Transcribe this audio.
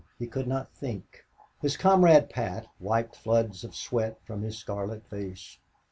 He could not think. His comrade, Pat, wiped floods of sweat from his scarlet face.